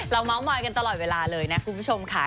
เมาส์มอยกันตลอดเวลาเลยนะคุณผู้ชมค่ะ